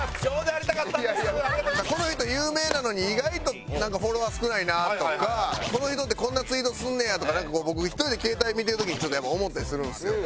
この人有名なのに意外とフォロワー少ないなとかこの人ってこんなツイートすんねやとか僕１人で携帯見てる時にちょっとやっぱ思ったりするんですよ。